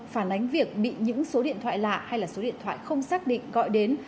phản ánh việc bị những số điện thoại lạ hay là số điện thoại không xác định gọi đến